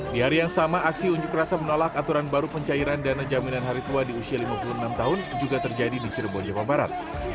di hari yang sama aksi unjuk rasa menolak aturan baru pencairan dana jaminan hari tua di usia lima puluh enam tahun juga terjadi di cirebon jawa barat